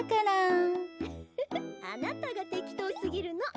ウッフフあなたがてきとうすぎるの。